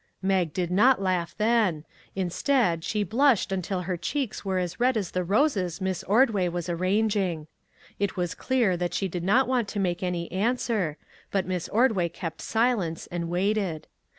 " Mag did not laugh then ; instead, she blushed until her cheeks were as red as the roses Miss Ordway was arranging. It was clear that she did not want to make any answer, but Miss Ordway kept silence and waited.